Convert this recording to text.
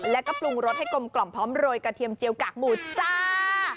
แล้วก็ปรุงรสให้กลมพร้อมโรยกระเทียมจิลกรากหมูซ่า